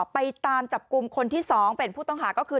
ไปตามจับกลุ่มคนที่๒เป็นผู้ต้องหาก็คือ